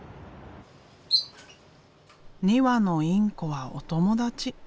２羽のインコはお友達。